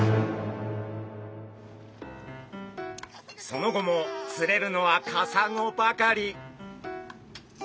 その後も釣れるのはカサゴばかり。